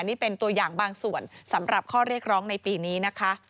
นี่เป็นตัวอย่างบางส่วนสำหรับข้อเรียกร้องในปีนี้นะคะ